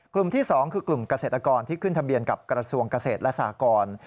ที่๒คือกลุ่มเกษตรกรที่ขึ้นทะเบียนกับกระทรวงเกษตรและสากร